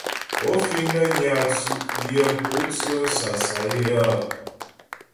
Ó fíŋ nə́ nyà tsʉ́' yə mpótsə́ sasayə́ hə́ ?